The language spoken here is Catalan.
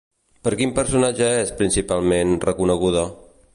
Per quin personatge és, principalment, reconeguda?